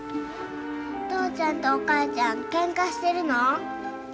お父ちゃんとお母ちゃんけんかしてるの？